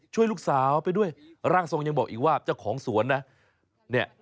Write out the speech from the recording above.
ช่วยลูกสาวไปด้วยร่างทรงยังบอกอีกว่าเจ้าของสวนนะเนี่ย